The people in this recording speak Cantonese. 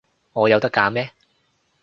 我有得揀咩？